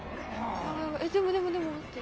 でもでもでも待って。